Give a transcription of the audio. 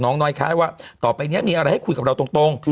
น้อยคล้ายว่าต่อไปนี้มีอะไรให้คุยกับเราตรง